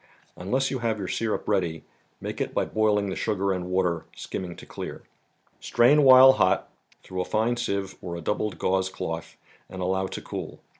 Unless you have your syrup ready, make it by boiling the sugar and water, skimming to clear. Strain while hot, through a fine sieve or a doubled gauze cloth and allow to cool.